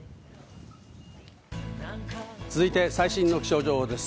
続いて最新の気象情報です。